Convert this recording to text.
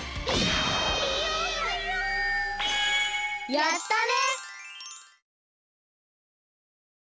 やったね！